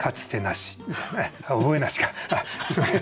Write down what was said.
すみません。